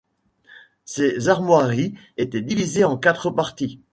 Ces armoiries étaient divisées en quatre parties.